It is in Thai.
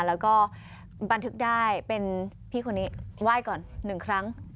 แล้วก็บันทึกได้เป็นพี่คนนี้ไหว้ก่อน๑ครั้ง